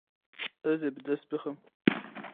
Ez ê bi dest bixim.